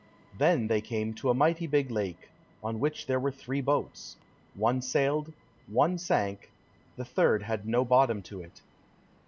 Then they came to a mighty big lake, on which there were three boats, one sailed, one sank, the third had no bottom to it.